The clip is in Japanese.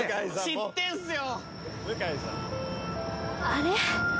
「あれ？